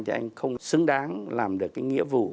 thì anh không xứng đáng làm được nghĩa vụ